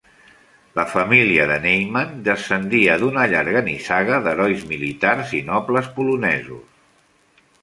La família de Neyman descendia d'una llarga nissaga d'herois militars i nobles polonesos.